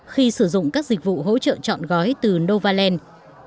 khi sử dụng các dịch vụ hỗ trợ chọn gói từ novaland